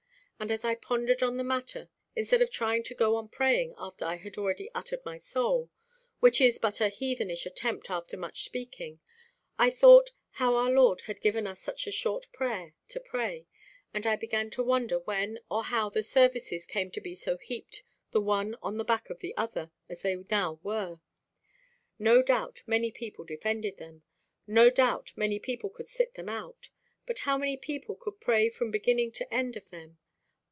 And as I pondered on the matter, instead of trying to go on praying after I had already uttered my soul, which is but a heathenish attempt after much speaking, I thought how our Lord had given us such a short prayer to pray, and I began to wonder when or how the services came to be so heaped the one on the back of the other as they now were. No doubt many people defended them; no doubt many people could sit them out; but how many people could pray from beginning to end of them?